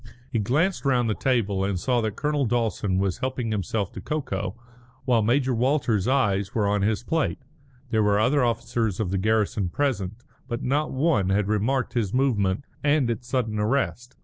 He glanced round the table and saw that Colonel Dawson was helping himself to cocoa, while Major Walters's eyes were on his plate. There were other officers of the garrison present, but not one had remarked his movement and its sudden arrest.